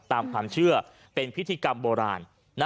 ตามความเชื่อเป็นพิธีกรรมโบราณ